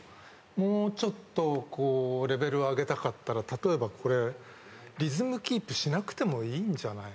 もうちょっとレベルを上げたかったら例えばこれリズムキープしなくてもいいんじゃないのかな？